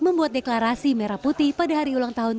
membuat deklarasi merah putih pada hari ulang tahun